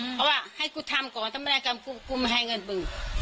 เพราะว่าให้กูทำก่อนท่านแม่กรรมกูมาให้เงินมึง